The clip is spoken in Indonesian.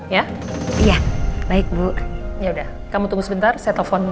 ya iya baik bu yaudah kamu tunggu sebentar saya telepon